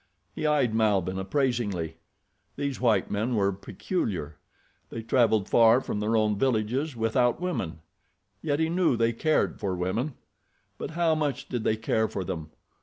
He eyed Malbihn appraisingly. These white men were peculiar. They traveled far from their own villages without women. Yet he knew they cared for women. But how much did they care for them?